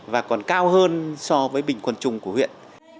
và còn cao hơn so với bình quân chung của huyện